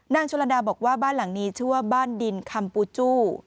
นางชุลันดาบอกว่าบ้านหลังนี้ชื่อว่าบ้านดินคัมปูจุ